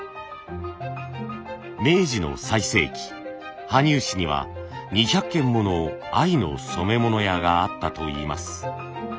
明治の最盛期羽生市には２００軒もの藍の染め物屋があったといいます。